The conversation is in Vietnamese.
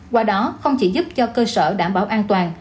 qua đó không chỉ giúp cho cơ sở đảm bảo an toàn